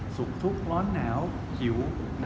สุขพล้อนเหน้อไหว้ขิว